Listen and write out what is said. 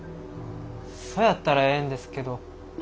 そやったらええんですけど。